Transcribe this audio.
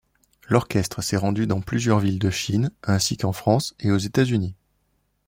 L'orchestre s'est rendu dans plusieurs villes de Chine, ainsi qu'en France et aux États-Unis.